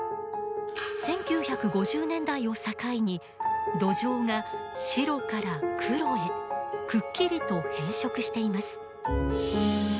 １９５０年代を境に土壌が白から黒へくっきりと変色しています。